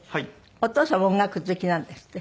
お父様音楽好きなんですって？